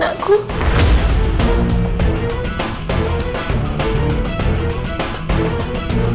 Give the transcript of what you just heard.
jangan siap yem